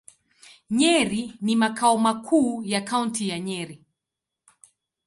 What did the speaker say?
Nyeri ni makao makuu ya Kaunti ya Nyeri.